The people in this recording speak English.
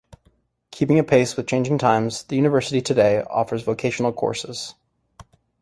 Keeping apace with changing times, the University today offers vocational courses.